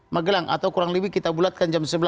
magelang atau kurang lebih kita bulatkan jam sebelas